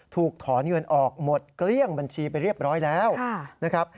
ถูกถอนเงินออกหมดเกลี้ยงบัญชีไปเรียบร้อยแล้วนะครับ